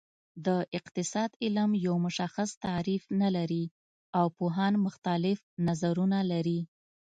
د اقتصاد علم یو مشخص تعریف نلري او پوهان مختلف نظرونه لري